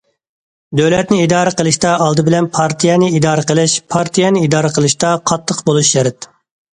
دۆلەتنى ئىدارە قىلىشتا ئالدى بىلەن پارتىيەنى ئىدارە قىلىش، پارتىيەنى ئىدارە قىلىشتا قاتتىق بولۇش شەرت.